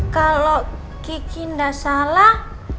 kalau kiki nggak salah